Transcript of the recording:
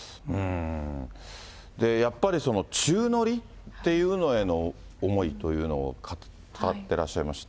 やっぱり、宙乗りっていうのへの思いというのを語ってらっしゃいまして。